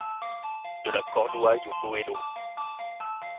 De la Cornouaille au Goëlo.